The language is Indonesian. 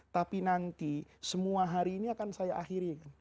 tapi nanti semua hari ini akan saya akhiri